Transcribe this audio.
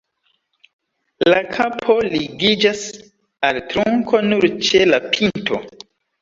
La kapo ligiĝas al trunko nur ĉe la pinto.